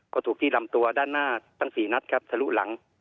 ก็ถูกที่ลำตัวด้านหน้าตั้ง๔นัดครับทะลุหลัง